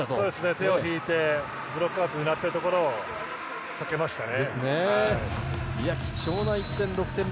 手を引いてブロックアウト狙ったところを避けましたね。